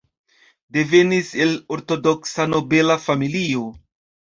Devenis el ortodoksa nobela familio.